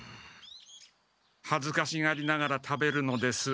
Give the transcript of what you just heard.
はずかしがりながら食べるのです。